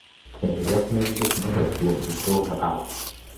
When he recognises the mother he wants to throw her out.